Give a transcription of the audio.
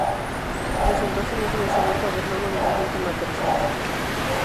Desde entonces no se les ha vuelto a ver luego desde su última aparición.